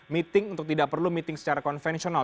meeting untuk tidak perlu meeting secara konvensional